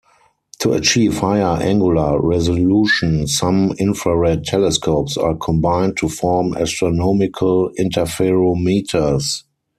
To achieve higher angular resolution, some infrared telescopes are combined to form astronomical interferometers.